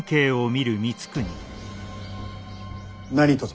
何とぞ。